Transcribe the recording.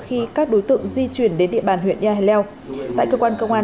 khi các đối tượng di chuyển đến địa bàn huyện nha hải leo